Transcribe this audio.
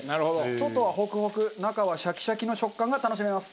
外はホクホク中はシャキシャキの食感が楽しめます。